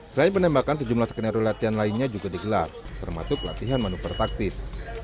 selain penembakan sejumlah skenario latihan lainnya juga digelar termasuk latihan manuver taktis